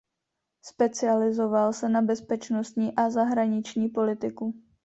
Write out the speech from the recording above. Specializoval se na bezpečnostní a zahraniční politiku.